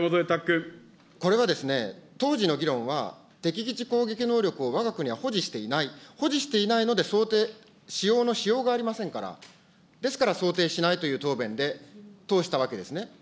これはですね、当時の議論は、敵基地攻撃能力をわが国は保持していない、保持していないので、想定しようのしようがありませんから、ですから想定しないという答弁で通したわけですね。